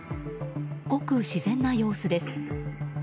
ごく自然な様子です。